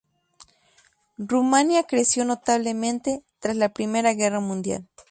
Rumanía creció notablemente tras la Primera Guerra Mundial.